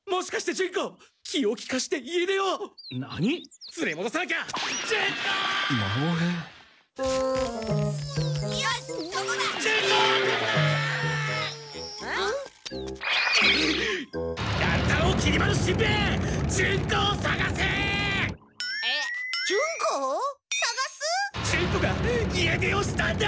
ジュンコが家出をしたんだ！